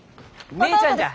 姉ちゃんじゃ！